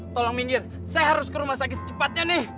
tolong minggir saya harus ke rumah sakit secepatnya nih